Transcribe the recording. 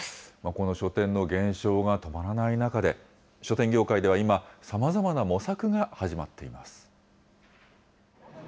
この書店の減少が止まらない中で、書店業界では今、さまざまな模索が始まっています。